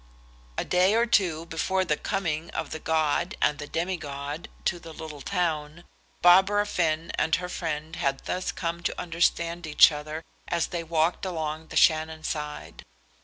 A day or two before the coming of the god and the demigod to the little town, Barbara Finn and her friend had thus come to understand each other as they walked along the Shannon side.